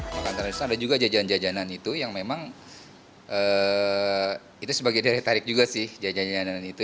makanan tradisional ada juga jajanan jajanan itu yang memang itu sebagai daya tarik juga sih jajanan jajanan itu